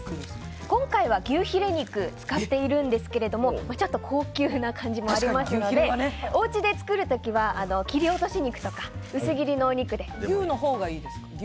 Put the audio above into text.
今回は牛ヒレ肉を使っているんですけどちょっと高級な感じもありますのでお家で作る時は切り落とし肉とか牛のほうがいいですか？